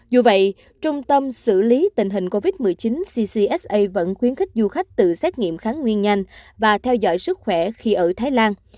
dù vậy trung tâm xử lý tình hình covid một mươi chín ccsa vẫn khuyến khích du khách tự xét nghiệm kháng nguyên nhanh và theo dõi sức khỏe khi ở thái lan